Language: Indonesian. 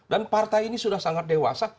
dan partai ini sudah sangat dewasa